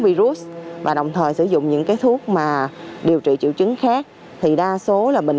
virus và đồng thời sử dụng những cái thuốc mà điều trị triệu chứng khác thì đa số là mình